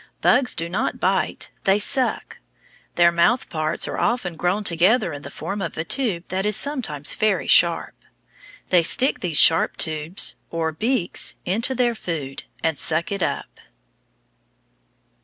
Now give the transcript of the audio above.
Bugs do not bite, they suck. Their mouth parts are often grown together in the form of a tube that is sometimes very sharp. They stick these sharp tubes or beaks into their food, and suck it up.